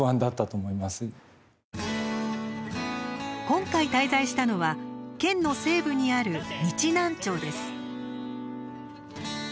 今回、滞在したのは県の西部にある日南町です。